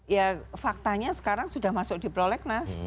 ya faktanya sekarang sudah masuk di prolegnas